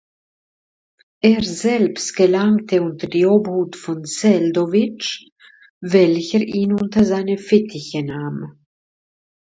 Er selbst gelangte unter die Obhut von Seldowitsch, welcher ihn unter seine Fittiche nahm.